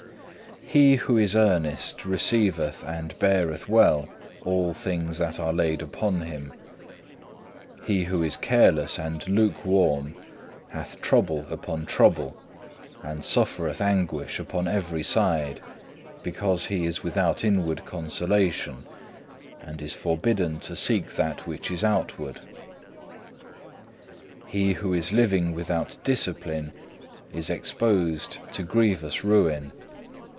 7. He who is earnest receiveth and beareth well all things that are laid upon him. He who is careless and lukewarm hath trouble upon trouble, and suffereth anguish upon every side, because he is without inward consolation, and is forbidden to seek that which is outward. He who is living without discipline is exposed to grievous ruin.